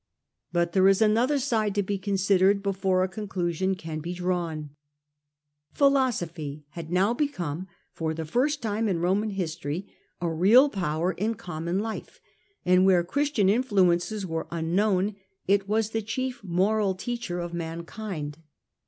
But there is another side to be considered before a conclusion can be drawn. Philosophy had now become, for the first time in Ro man history, a real power in common life, and where Christian influences were unknown it was the 3 Phiioso chief moral teacher of mankind.